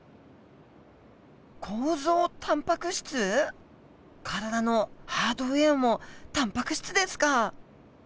構造タンパク質？体のハードウエアもタンパク質ですか！